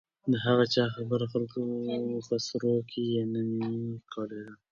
د هغه چا خبره خلکو په سروو کې يې نينې کړې .